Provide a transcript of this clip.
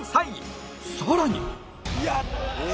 さらに